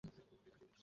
হ, পারি!